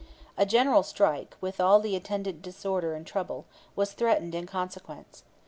A general strike, with all the attendant disorder and trouble, was threatened in consequence.